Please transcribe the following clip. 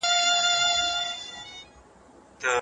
عادلانه قانون تعصب محدودوي